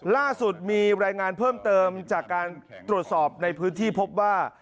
ล่าสุดมีรายงานเพิ่มเติมจากการตรวจสอบในพื้นที่พบว่า